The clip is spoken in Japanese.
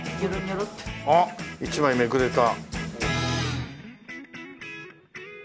あっ一枚めくれた。